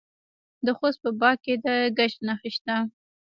د خوست په باک کې د ګچ نښې شته.